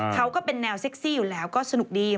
ก็เป็นแนวเซ็กซี่อยู่แล้วก็สนุกดี